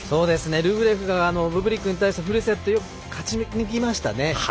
ルブレフがブブリックに対してよくフルセットで勝ち抜きましたね。